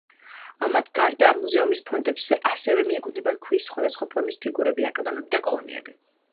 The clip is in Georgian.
ამათ გარდა მუზეუმის ფონდებს ასევე მიეკუთვნება ქვის სხვადასხვა ფორმის ფიგურები, აკლდამები და კოლონები.